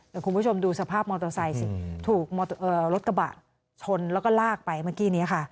แต่คุณผู้ชมดูสภาพมอเตอร์ไซค์สิถูกรถกระบะชนแล้วก็ลากไปเมื่อกี้นี้ค่ะ